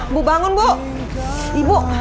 ibu bangun ibu